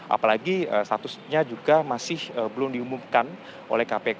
apalagi statusnya juga masih belum diumumkan oleh kpk